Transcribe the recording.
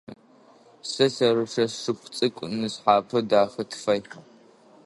Сэ лъэрычъэ, сшыпхъу цӏыкӏу нысхъапэ дахэ тыфай.